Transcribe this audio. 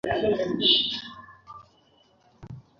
এই, তারা কি করছে?